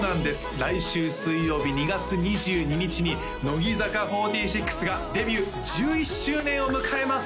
来週水曜日２月２２日に乃木坂４６がデビュー１１周年を迎えます